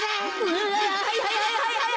うわはいはいはいはい。